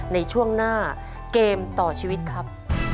ในช่วงหน้าเกมต่อชีวิตครับ